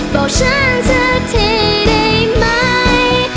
บอกฉันสักทีได้ไหม